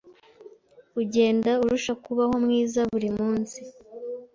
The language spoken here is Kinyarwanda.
Ugenda urushaho kuba mwiza burimunsi.